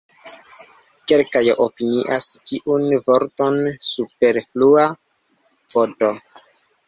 Kelkaj opinias tiun vorton superflua, vd.